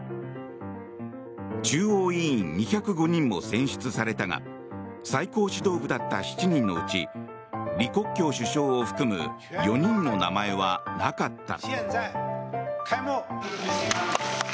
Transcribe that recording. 中央委員２０５人も選出されたが最高指導部だった７人のうち李克強首相を含む４人の名前はなかった。